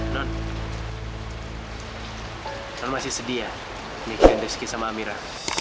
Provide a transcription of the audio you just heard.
non non masih sedih ya bikin rizky sama amira